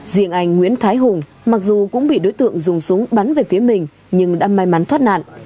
riêng anh nguyễn thái hùng mặc dù cũng bị đối tượng dùng súng bắn về phía mình nhưng đã may mắn thoát nạn